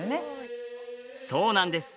そうなんです。